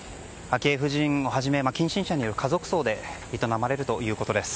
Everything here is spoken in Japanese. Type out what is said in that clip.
昭恵夫人をはじめ近親者による家族葬で営まれるということです。